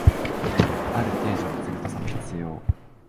ある程度は図太さも必要